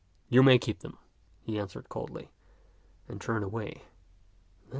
"You may keep them," he answered coldly, and turned away.